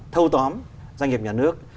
thâu tóm doanh nghiệp nhà nước